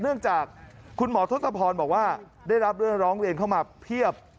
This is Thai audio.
เนื่องจากคุณหมอทศพรบอกว่าได้รับเรื่องร้องเรียนเข้ามาเพียบ